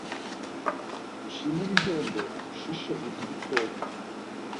ushime ibihembo ushishe ugire itoto